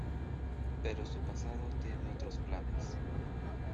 Pero su pasado tiene otros planes.